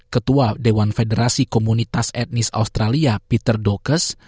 ketua dewan federasi komunitas etnis australia peter dokes